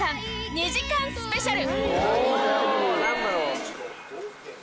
２時間スペシャル。